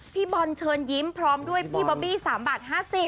พี่บอลเชิญยิ้มพร้อมด้วยพี่บอบบี้๓บาท๕๐บาท